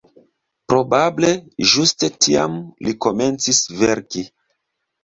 Probable ĝuste tiam li komencis verki.